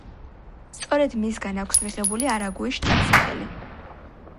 სწორედ მისგან აქვს მიღებული არაგუის შტატს სახელი.